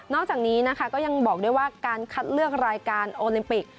จากนี้นะคะก็ยังบอกด้วยว่าการคัดเลือกรายการโอลิมปิก